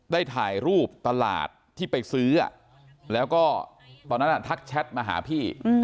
ได้ถ่ายรูปตลาดที่ไปซื้อแล้วก็ตอนนั้นทักแชทมาหาพี่